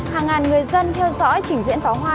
hàng ngàn người dân theo dõi trình diễn pháo hoa